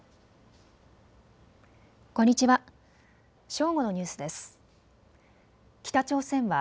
こんにちは。